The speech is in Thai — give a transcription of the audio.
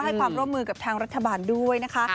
ให้ความร่วมมือกับทางรัฐบาลด้วยนะคะ